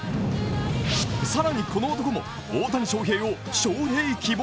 更にこの男も大谷翔平を招へい希望？！